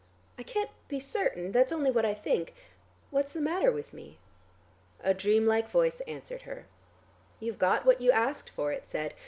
I can't be certain; that's only what I think. What's the matter with me?" A dream like voice answered her. "You've got what you asked for," it said.